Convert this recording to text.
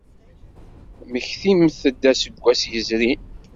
Mmektimt-d aseggas yezrin.